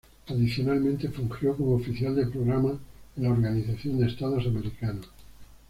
Adicionalmente fungió como oficial de programa en la Organización de Estados Americanos.